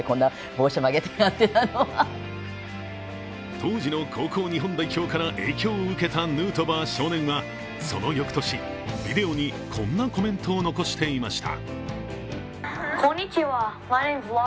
当時の高校日本代表から影響を受けたヌートバー少年はその翌年、ビデオにこんなコメントを残していました。